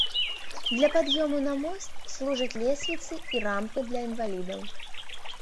Для пад'ёму на мост служаць лесвіцы і рампы для інвалідаў.